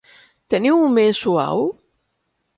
Teniu un més suau?